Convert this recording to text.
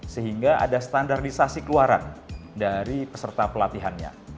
sehingga ada standarisasi keluaran dari peserta pelatihannya